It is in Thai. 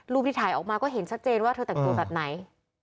ที่ถ่ายออกมาก็เห็นชัดเจนว่าเธอแต่งตัวแบบไหน